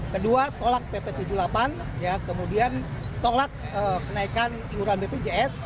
kedua tolak pp tujuh puluh delapan kemudian tolak kenaikan iuran bpjs